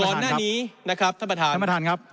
ก่อนหน้านี้นะครับท่านประธานครับ